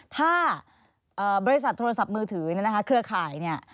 ถ้าบริษัทโทรศัพท์มือถือเครือข่ายเนี่ย